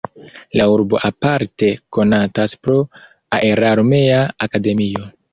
La urbo aparte konatas pro aerarmea akademio.